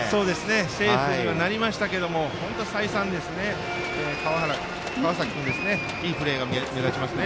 セーフにはなりましたけど再三、川崎君いいプレーが目立ちます。